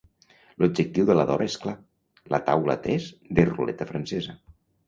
L'objectiu de la Dora és clar: la taula tres de ruleta francesa.